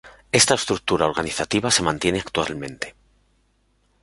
Esta estructura organizativa se mantiene actualmente.